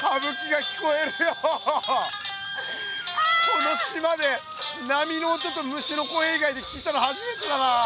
この島で波の音と虫の声いがいで聞いたのはじめてだなあ。